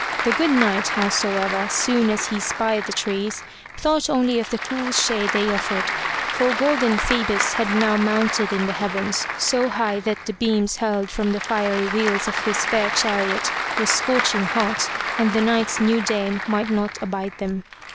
The good Knight, howsoever, soon as he spied the trees, thought only of the cool shade they offered, for golden Phoebus had now mounted in the heavens so high that the beams hurled from the fiery wheels of his fair chariot were scorching hot, and the Knight's new dame might not abide them.